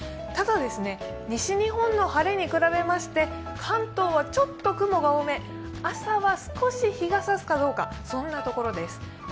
ただ、西日本の晴れに比べまして関東はちょっと雲が多め、朝は少し日がさすかどうか、そんなところです。